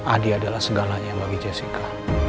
adi adalah segalanya bagi jessica